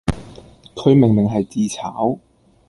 佢明明係自炒